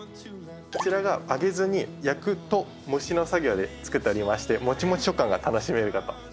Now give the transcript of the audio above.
こちらが揚げずに「焼く」と「蒸し」の作業で作っておりましてもちもち食感が楽しめるかと。